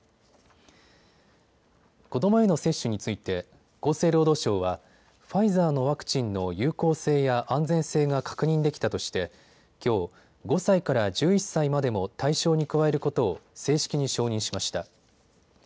子どもへの接種について厚生労働省はファイザーのワクチンの有効性や安全性が確認できたとしてきょう、５歳から１１歳までも対象に加えることを正式に承認しました。